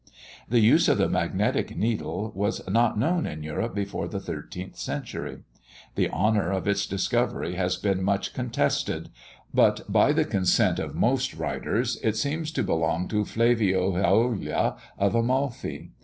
The use of the magnetic needle was not known in Europe before the thirteenth century. The honour of its discovery has been much contested; but by the consent of most writers, it seems to belong to Flavio Gioja of Amalfi.